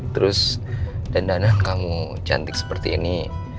terus dendana kamu cantik seperti ini